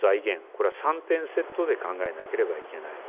これは３点セットで考えなければいけない。